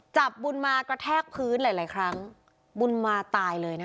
จับบุญมากระแทกพื้นหลายหลายครั้งบุญมาตายเลยนะคะ